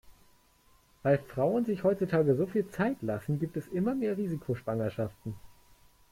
Weil Frauen sich heutzutage so viel Zeit lassen, gibt es immer mehr Risikoschwangerschaften.